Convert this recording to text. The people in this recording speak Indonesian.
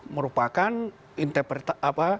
merupakan interpretasi apa